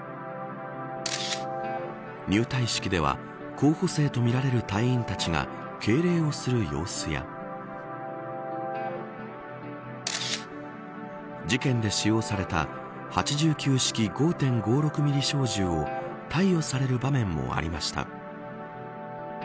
入隊式では候補生とみられる隊員たちが敬礼をする様子や事件で使用された８９式５．５６ミリ小銃を貸与される場面もありました。